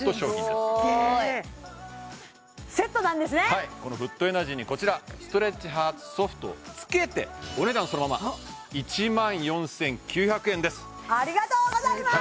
すごいすっげはいこのフットエナジーにこちらストレッチハーツソフトを付けてお値段そのまま１万４９００円ですありがとうございます！